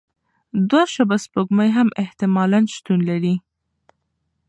دوه شبح سپوږمۍ هم احتمالاً شتون لري.